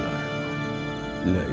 tidak ada tuhan